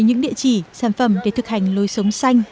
những địa chỉ sản phẩm để thực hành lối sống xanh